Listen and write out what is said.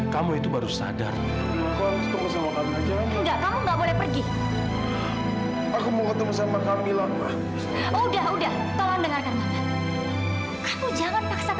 kamu itu baru siupan